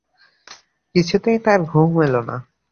কিছুতেই তার ঘুম এল না।